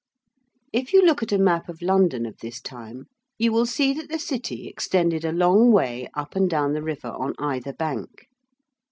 ] If you look at a map of London of this time you will see that the city extended a long way up and down the river on either bank.